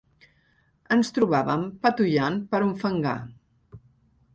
Ens trobàvem patollant per un fangar